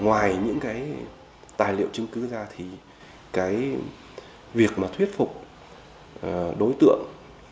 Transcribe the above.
ngoài những cái tài liệu chứng cứ ra thì cái việc mà thuyết phục đối tượng